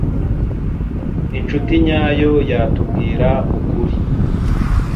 Inshuti nyayo yatubwira ukuri.